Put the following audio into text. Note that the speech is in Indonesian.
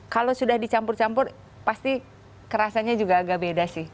kalau sudah dicampur campur pasti kerasanya juga agak beda sih